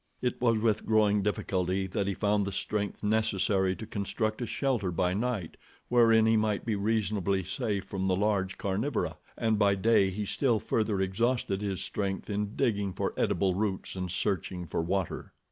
It was with growing difficulty that he found the strength necessary to construct a shelter by night wherein he might be reasonably safe from the large carnivora, and by day he still further exhausted his strength in digging for edible roots, and searching for water.